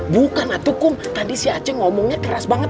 bukan ataupun tadi si aceh ngomongnya keras banget